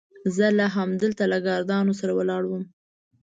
زه لا همدلته له ګاردانو سره ولاړ وم.